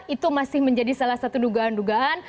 itu masih menjadi salah satu dugaan dugaan